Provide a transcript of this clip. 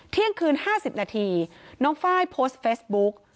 เที่ยงคืนห้าสิบนาทีน้องไฟโพสต์เฟสบุ๊ค